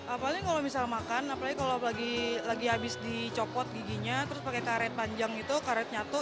apalagi kalau misalnya makan apalagi kalau lagi habis dicopot giginya terus pakai karet panjang gitu karet nyatu